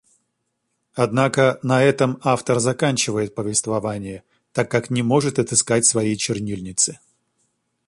Однако на этом автор заканчивает повествование, так как не может отыскать своей чернильницы.